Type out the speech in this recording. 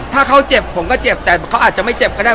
ถ้าเขาเจ็บผมก็เจ็บแต่เขาอาจจะไม่เจ็บก็ได้